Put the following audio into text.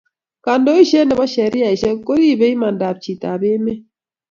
kandoishet ne bo sheriasheck ko ripee imandaab chitoab emet